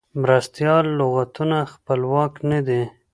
مرستیال لغتونه خپلواک نه دي.